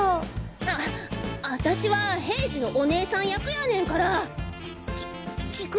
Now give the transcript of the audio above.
アアタシは平次のお姉さん役やねんからき聞く